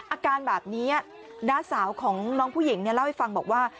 อาการแบบนี้น้าสาวของน้องผู้หญิงเนี่ยเล่าให้ฟังบอกว่า